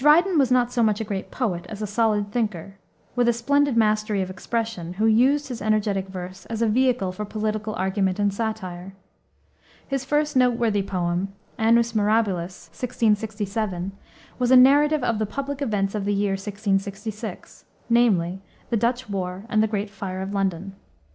Dryden was not so much a great poet, as a solid thinker, with a splendid mastery of expression, who used his energetic verse as a vehicle for political argument and satire. His first noteworthy poem, Annus Mirabilis, 1667, was a narrative of the public events of the year 1666, namely: the Dutch war and the great fire of London.